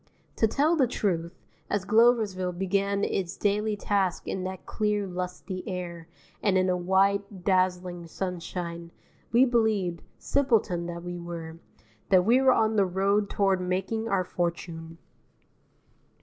To tell the truth, as Gloversville began its daily tasks in that clear lusty air and in a white dazzling sunshine, we believed, simpleton that we were, that we were on the road toward making our fortune.